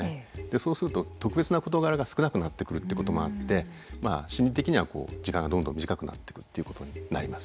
そうすると特別な事柄が少なくなってくるってこともあって心理的には時間がどんどん短くなってくるってことになります。